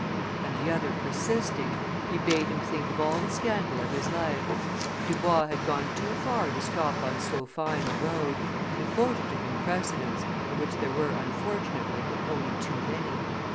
And the other persisting, he bade him think of all the scandal of his life. Dubois had gone too far to stop on so fine a road, and quoted to him precedents, of which there were, unfortunately, only too many.